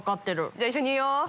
じゃあ一緒に言おう。